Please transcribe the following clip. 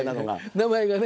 名前がね。